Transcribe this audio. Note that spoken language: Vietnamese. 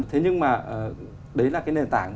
thế nhưng mà đấy là cái nền tảng